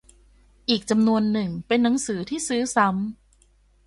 อีกจำนวนนึงเป็นหนังสือที่ซื้อซ้ำ